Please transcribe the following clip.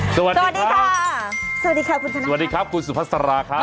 สวัสดีครับสวัสดีครับสวัสดีครับสวัสดีครับสวัสดีครับคุณสุภัสราครับ